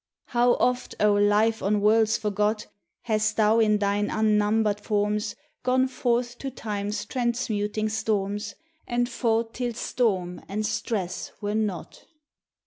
How oft, O Life, on worlds forgot, Hast thou, in thine unnumbered forms, Gone forth to Time's transmuting storms, And fought till storm and stress were not!